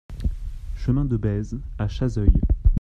Chemin de Bèze à Chazeuil